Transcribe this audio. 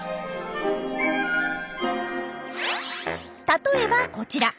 例えばこちら。